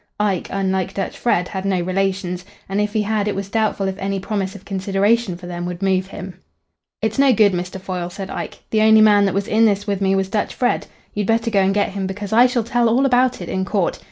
Ike, unlike Dutch Fred, had no relations, and if he had it was doubtful if any promise of consideration for them would move him. "It's no good, Mr. Foyle," said Ike. "The only man that was in this with me was Dutch Fred. You'd better go and get him, because I shall tell all about it in court.